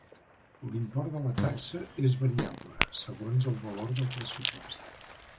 L'import de la taxa és variable, segons el valor del pressupost.